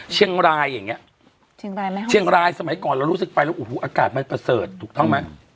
เชียงรายอย่างเงี้ยเชียงรายสมัยก่อนเรารู้สึกไปแล้วอุ้ยอากาศมันประเสริฐถูกต้องไหม